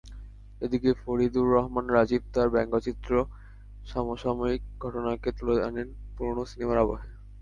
এদিকে ফরিদুর রহমান রাজীব তাঁর ব্যঙ্গচিত্রে সমসাময়িক ঘটনাকে তুলে আনেন পুরোনো সিনেমার আবহে।